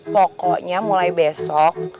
pokoknya mulai besok